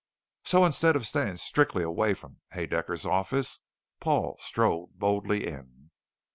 So instead of staying strictly away from Haedaecker's office, Paul strode boldly in.